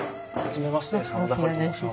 初めまして。